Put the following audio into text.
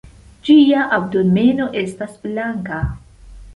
Ĝia abdomeno estas blanka.